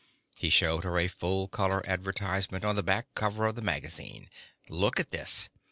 He showed her a full color advertisement on the back cover of the magazine. "Look at this.